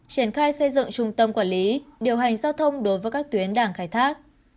triển khai xây dựng trung tâm quản lý điều hành giao thông đối với các tuyến đảng khai thác